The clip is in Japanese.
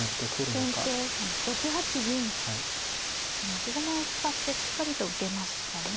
持ち駒を使ってしっかりと受けましたね。